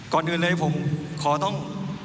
ก่อนอื่นเลยผมขอต้อง